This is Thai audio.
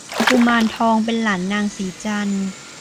กุมารทองเป็นหลานนางสีจันทร์